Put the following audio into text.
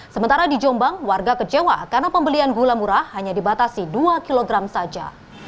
sementara di jombang warga kecewa karena pembelian gula murah hanya dibatasi dua kilogram saja